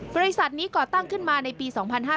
บริษัทนี้ก่อตั้งขึ้นมาในปี๒๕๕๙